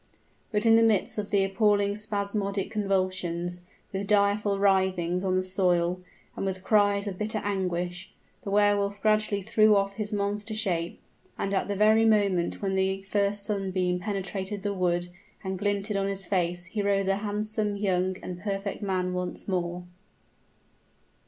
But in the midst of the appalling spasmodic convulsions, with direful writhings on the soil, and with cries of bitter anguish, the Wehr Wolf gradually threw off his monster shape; and at the very moment when the first sunbeam penetrated the wood and glinted on his face he rose a handsome, young, and perfect man once more!